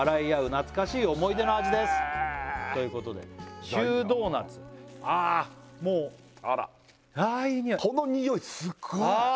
「懐かしい思い出の味です」えっということでシュードーナツもうあらこのにおいすっごいああ